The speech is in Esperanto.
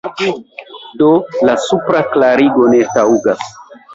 Do la supra klarigo ne taŭgas.